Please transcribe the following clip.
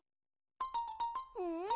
うん？